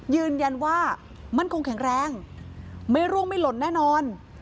ยืนยันว่ามั่นคงแข็งแรงไม่ร่วงไม่หล่นแน่นอน